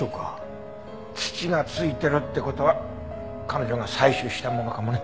土がついてるって事は彼女が採取したものかもね。